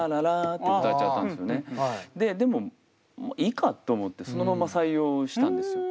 でもいいかと思ってそのまま採用したんですよ。